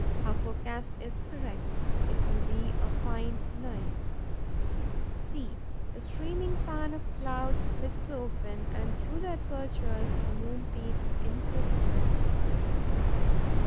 Her forecast is correct: it will be a fine night. See, the steaming pan of the clouds splits open; and, through the apertures, the moon peeps, inquisitively.